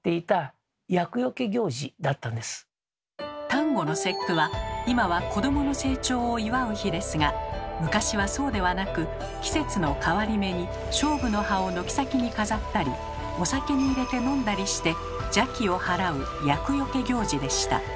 端午の節句は今は子どもの成長を祝う日ですが昔はそうではなく季節の変わり目に菖蒲の葉を軒先に飾ったりお酒に入れて飲んだりして邪気を払う厄よけ行事でした。